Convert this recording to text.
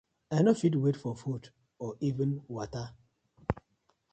I no fit wait for food or even watta.